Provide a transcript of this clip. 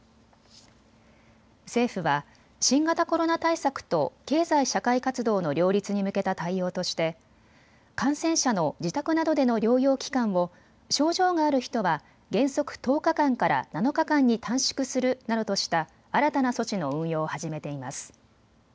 政府は新型コロナ対策と経済社会活動の両立に向けた対応として感染者の自宅などでの療養期間を症状がある人は原則１０日間から７日間に短縮するなどとした新たな措置の運用を始めています。